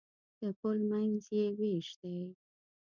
د پل منځ یې وېش دی.